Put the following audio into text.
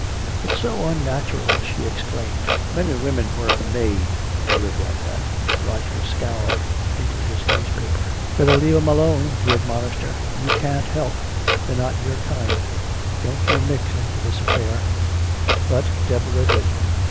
"It's so unnatural!" she exclaimed. "Men and women weren't made to live like that!" Roger scowled into his paper. "Better leave 'em alone," he admonished her. "You can't help they're not your kind. Don't you mix into this affair." But Deborah did.